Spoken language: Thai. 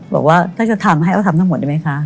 บอกว่าถ้าจะทำให้เขาทำทั้งหมดได้ไหมคะ